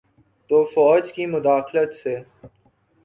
تو فوج کی مداخلت سے۔